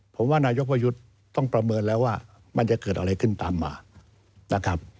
ผมว่านายกประยุทธ์ต้องประเมินแล้วว่ามันจะเกิดอะไรขึ้นตามมานะครับ